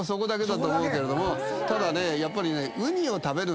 ただねやっぱりね。